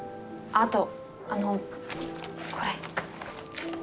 あとあのこれ。